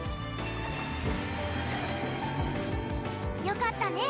よかったね